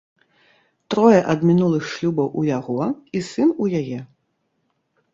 Трое ад мінулых шлюбаў у яго і сын у яе.